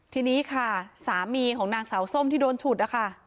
ทีนี้ค่ะสามีของนางสาวส้มที่โดนฉุดนะคะ